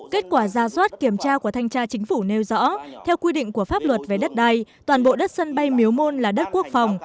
kết quả ra soát kiểm tra của thanh tra chính phủ nêu rõ theo quy định của pháp luật về đất đai toàn bộ đất sân bay miếu môn là đất quốc phòng